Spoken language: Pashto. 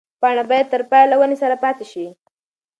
پاڼه باید تر پایه له ونې سره پاتې شي.